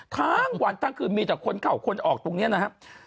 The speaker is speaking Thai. ทั้งวันทั้งคืนมีแต่คนเข้าคนออกตรงนี้นะครับ